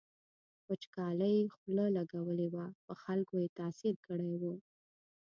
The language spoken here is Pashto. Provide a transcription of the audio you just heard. وچکالۍ خوله لګولې وه په خلکو یې تاثیر کړی و.